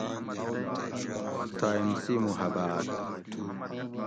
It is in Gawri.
سائنسی محباۤت